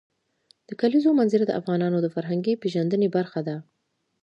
د کلیزو منظره د افغانانو د فرهنګي پیژندنې برخه ده.